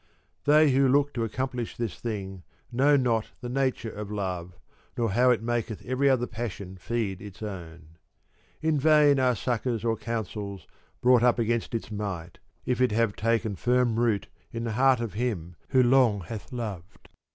They who look to accomplish this thing know not the nature of love, nor how it maketh every other passion feed its own. In vain are succours or counsels brought up against its might, if it have taken firm root in the heart of him who long hath loved.